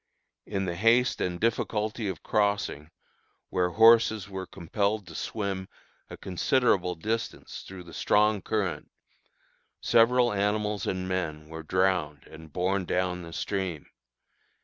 In the haste and difficulty of crossing, where horses were compelled to swim a considerable distance through the strong current, several animals and men were drowned and borne down the stream.